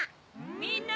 みんな！